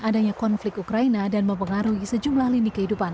adanya konflik ukraina dan mempengaruhi sejumlah lini kehidupan